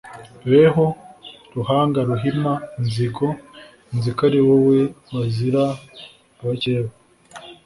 Behu Ruhanga ruhima inzigo nzi ko ari wowe bazira abakeba